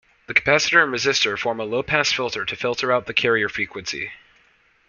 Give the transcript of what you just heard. The capacitor and resistor form a low-pass filter to filter out the carrier frequency.